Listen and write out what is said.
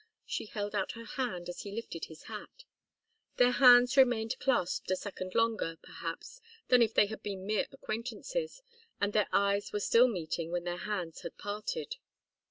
She held out her hand as he lifted his hat. Their hands remained clasped a second longer, perhaps, than if they had been mere acquaintances, and their eyes were still meeting when their hands had parted.